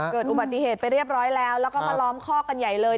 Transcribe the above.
เกิดอุบัติเหตุไปเรียบร้อยแล้วแล้วก็มาล้อมคอกกันใหญ่เลย